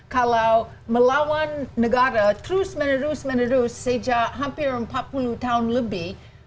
kalau melawan negara terus menerus menerus sejak hampir empat puluh tahun lebih